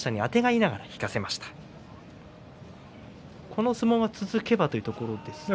この相撲が続けばというところですか。